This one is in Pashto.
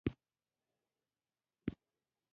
اکبرجان ورته وویل ته یې ورکوې او که بل یې.